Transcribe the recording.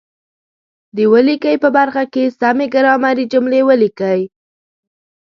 د ولیکئ په برخه کې سمې ګرامري جملې ولیکئ.